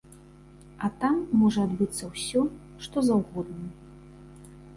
А там можа адбыцца ўсё, што заўгодна.